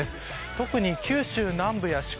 特に九州南部や四国